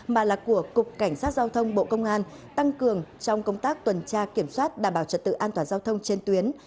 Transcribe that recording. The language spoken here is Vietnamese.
mà là của cục cảnh sát giao thông bộ công an tăng cường trong công tác tuần tra kiểm soát đảm bảo trật tự an toàn giao thông trên tuyến